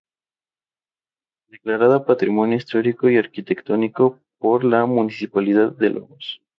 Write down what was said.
Declarada Patrimonio Histórico y Arquitectónico por la Municipalidad de Lobos.